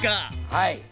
はい。